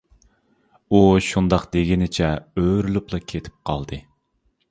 ئۇ شۇنداق دېگىنىچە ئۆرۈلۈپلا كېتىپ قالدى.